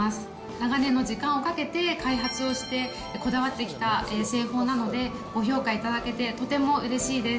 長年の時間をかけて開発をしてこだわってきた製法なので、ご評価いただけてとても嬉しいです。